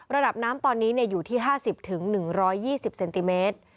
ระดับน้ำตอนนี้อยู่ที่๕๐๑๒๐เซนติเมตร